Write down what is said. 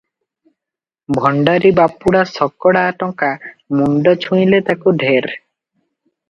ଭଣ୍ଡାରି ବାପୁଡା ଶକଡ଼ା ଟଙ୍କା ମୁଣ୍ଡ ଛୁଇଁଲେ ତାକୁ ଢେର ।